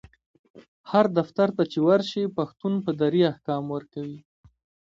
هر دفتر چی ورشي پشتون په دري احکام ورکوي